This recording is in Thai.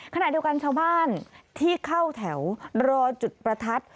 ขณะเดียวกันชาวบ้านที่เข้าแถวรอจุดประทัด